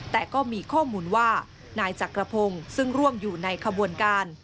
แต่ก็มีข้อมูลว่านายจักรพงศ์ซึ่งร่วมอยู่ในขบวนการ